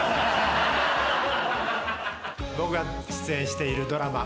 僕が出演しているドラマ。